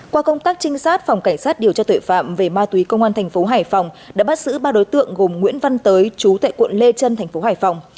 qua công tác trinh sát phòng cảnh sát điều tra tuệ phạm về ma túy công an thành phố hải phòng đã bắt giữ ba đối tượng gồm nguyễn văn tới chú tại quận lê trân thành phố hải phòng